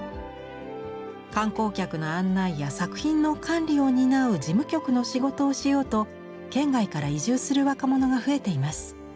観光客の案内や作品の管理を担う事務局の仕事をしようと県外から移住する若者が増えています。